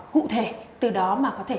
cụ thể từ đó mà có thể